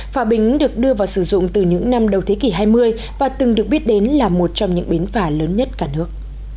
phà bính được đưa vào sử dụng từ những năm đầu thế kỷ hai mươi và từng được biết đến là một trong những bến phà lớn nhất cả nước